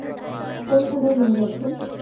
কোন থানায় নিয়ে যাচ্ছেন?